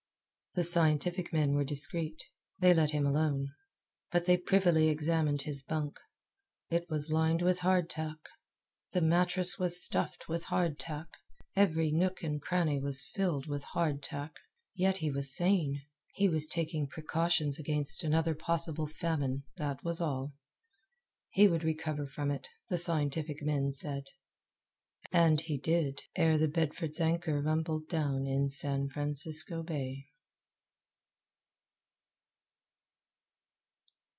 The scientific men were discreet. They let him alone. But they privily examined his bunk. It was lined with hardtack; the mattress was stuffed with hardtack; every nook and cranny was filled with hardtack. Yet he was sane. He was taking precautions against another possible famine that was all. He would recover from it, the scientific men said; and he did, ere the Bedford's anchor rumbled down in San Francisco Bay.